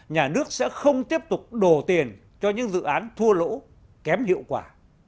nhà nước sẽ không tiếp tục đổ tiền cho những dự án thua lỗ kém hiệu quả